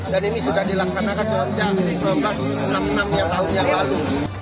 dan ini sudah dilaksanakan sejak seribu sembilan ratus enam puluh enam yang tahun yang lalu